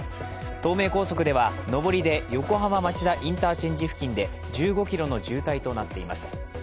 東名高速では登りで横浜・町田インターチェンジ付近で１５キロの渋滞となっています。